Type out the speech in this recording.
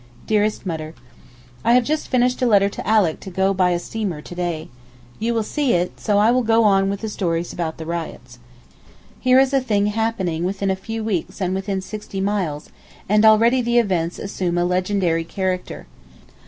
DEAREST MUTTER, I have just finished a letter to Alick to go by a steamer to day. You will see it, so I will go on with the stories about the riots. Here is a thing happening within a few weeks and within sixty miles, and already the events assume a legendary character.